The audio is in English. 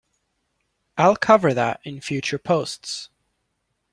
I'll cover that in future posts!